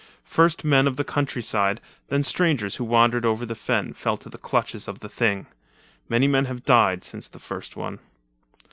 First men of the countryside, then strangers who wandered over the fen, fell to the clutches of the thing. Many men have died, since the first one.